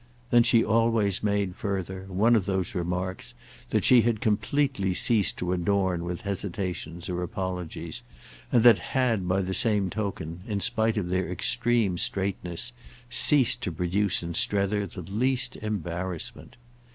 Then she always made, further, one of those remarks that she had completely ceased to adorn with hesitations or apologies, and that had, by the same token, in spite of their extreme straightness, ceased to produce in Strether the least embarrassment.